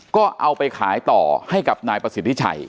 ก็เอาไปขายต่อให้กับนายประสิทธิชัย